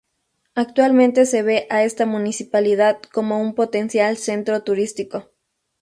Actualmente se ve a esta municipalidad como un potencial centro turístico.